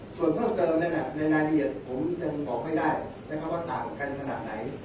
ส่วนเพิ่มเติมในรายละเอียดผมยังบอกไม่ได้ว่าต่างกันขนาดไหน